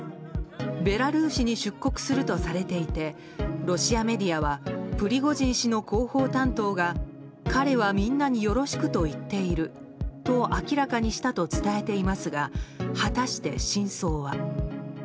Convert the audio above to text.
ベラルーシに出国するとされていてロシアメディアはプリゴジン氏の広報担当が「彼はみんなによろしくと言っている」と明らかにしたと伝えていますが果たして真相は。